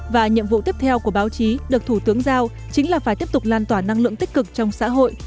và nhiệm vụ tiếp theo của báo chí được thủ tướng giao chính là phải tiếp tục lan tỏa năng lượng tích cực trong xã hội